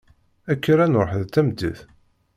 Kker ad nṛuḥ d tameddit.